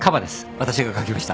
私が描きました。